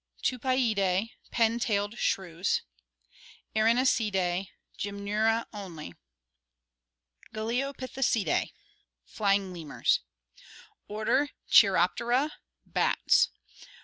Tupaiidae, pen tailed shrews. Erinaceidae: Gymnura only. Galeopithecidac, "flying lemurs." Order Cheiroptera, bats.